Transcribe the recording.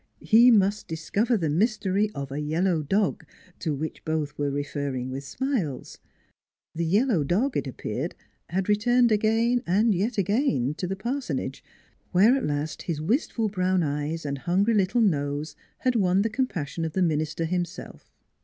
He must discover the mystery of a yellow dog, to which both were referring with smiles. The yellow dog, it appeared, had returned again and yet again to the parsonage, where at last his wistful brown eyes and hungry little nose had won the com passion of the minister himself.